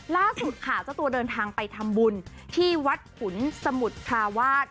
ล่าสุดค่ะเจ้าตัวเดินทางไปทำบุญที่วัดขุนสมุทรทราวาส